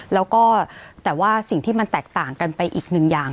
แล้วก็แต่ว่าสิ่งที่มันแตกต่างกันไปอีกหนึ่งอย่าง